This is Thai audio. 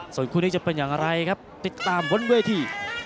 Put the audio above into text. ส่วนคู่นี้จะเป็นอย่างไรครับติดตามบนเวที